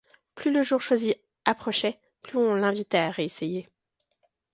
Plus le jour choisi approchait, plus on l'invitait à réessayer.